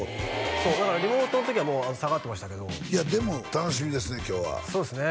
そうだからリモートの時はもう下がってましたけどいやでも楽しみですね今日はそうですね